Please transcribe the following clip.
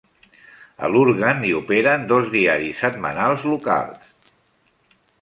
A Lurgan hi operen dos diaris setmanals locals.